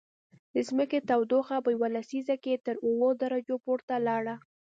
د ځمکې تودوخه په یوه لسیزه کې تر اووه درجو پورته لاړه